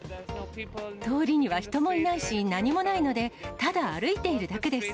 通りには人もいないし、何もないので、ただ歩いているだけです。